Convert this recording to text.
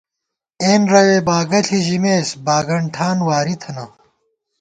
اېن رَوے باگہ ݪِی ژِمېس، باگن ٹھان واری تھنہ